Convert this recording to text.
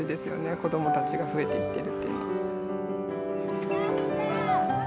子どもたちが増えていってるというのは。